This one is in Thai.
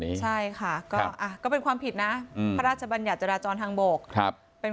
นี้ใช่ค่ะก็เป็นความผิดนะพระราชบัญญาจรจรทางบกครับเป็น